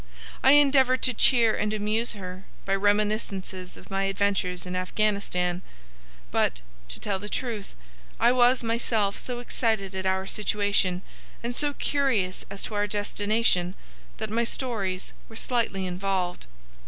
I endeavored to cheer and amuse her by reminiscences of my adventures in Afghanistan; but, to tell the truth, I was myself so excited at our situation and so curious as to our destination that my stories were slightly involved.